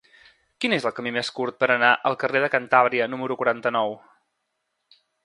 Quin és el camí més curt per anar al carrer de Cantàbria número quaranta-nou?